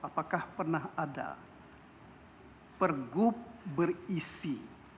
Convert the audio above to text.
apakah pernah ada pergub berisi